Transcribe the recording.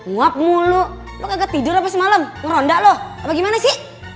muap mulu lo kagak tidur apa semalem ngerondak lo apa gimana sih